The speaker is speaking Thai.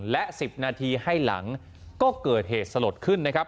และ๑๐นาทีให้หลังก็เกิดเหตุสลดขึ้นนะครับ